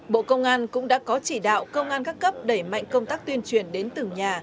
bộ công an cũng đã có chỉ đạo công an các cấp đẩy mạnh công tác tuyên truyền đến từng nhà